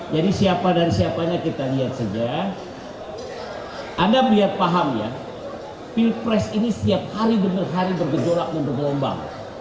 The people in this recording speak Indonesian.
jadi siapa dan siapanya kita lihat saja anda biar paham ya pil pres ini setiap hari demi hari bergejorak dan bergelombang